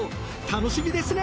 楽しみですね。